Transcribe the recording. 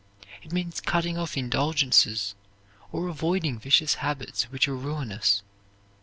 It means cutting off indulgences or avoiding vicious habits which are ruinous.